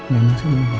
nanti aku nabrak